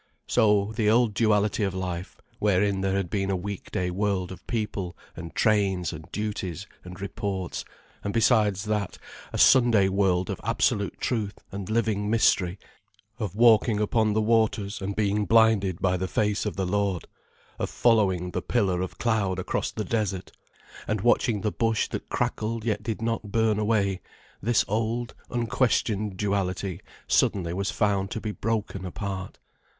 So, the old duality of life, wherein there had been a weekday world of people and trains and duties and reports, and besides that a Sunday world of absolute truth and living mystery, of walking upon the waters and being blinded by the face of the Lord, of following the pillar of cloud across the desert and watching the bush that crackled yet did not burn away, this old, unquestioned duality suddenly was found to be broken apart.